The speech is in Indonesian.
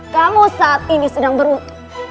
kamu saat ini sedang berhubung